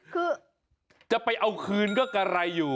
คือจะไปเอาคืนก็กะไรอยู่